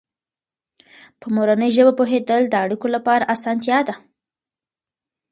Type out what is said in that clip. په مورنۍ ژبه پوهېدل د اړیکو لپاره اسانتیا ده.